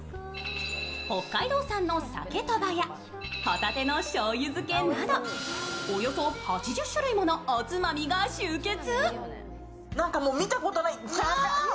北海道産のさけとばやほたてのしょうゆ漬けなどおよそ８０種類ものおつまみが集結。